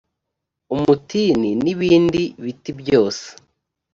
umutini n ibindi biti byose